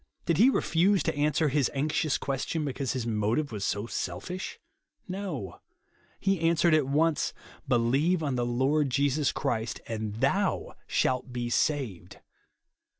Did he refuse to answer his anxious question, because his motive was so selfish ? No. He answered at once, " Believe on the Lord Jesus Christ, and THOU shalt be saved."